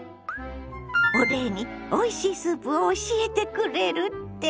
お礼においしいスープを教えてくれるって？